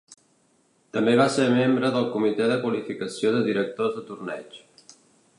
També va ser membre del Comitè de Qualificació de Directors de torneigs.